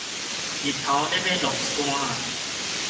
日頭咧欲落山矣